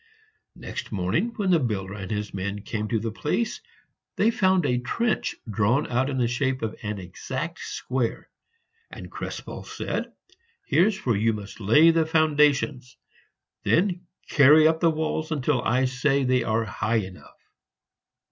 Next morning, when the builder and his men came to the place, they found a trench drawn out in the shape of an exact square; and Krespel said, "Here's where you must lay the foundations; then carry up the walls until I say they are high enough."